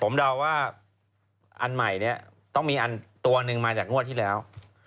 ผมเดาว่าอันใหม่เนี่ยต้องมีอันตัวหนึ่งมาจากงวดที่แล้ว